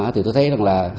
thì tôi thấy rằng là